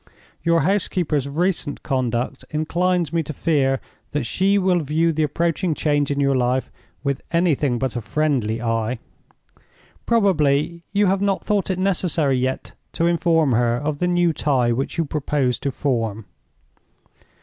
Your housekeeper's recent conduct inclines me to fear that she will view the approaching change in your life with anything but a friendly eye. Probably you have not thought it necessary yet to inform her of the new tie which you propose to form?"